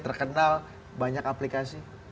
terkenal banyak aplikasi